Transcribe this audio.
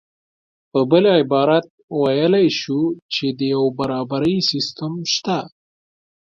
په بل عبارت ویلی شو چې یو د برابرۍ سیستم شته